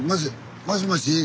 もしもし。